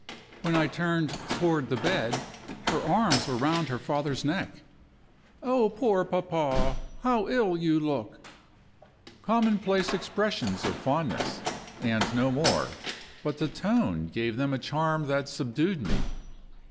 When I turned toward the bed, her arms were round her father's neck. "Oh, poor papa, how ill you look!" Commonplace expressions of fondness, and no more; but the tone gave them a charm that subdued me.